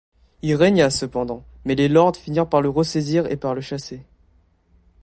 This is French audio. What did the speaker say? Il régna cependant, mais les lords finirent par le ressaisir et par le chasser.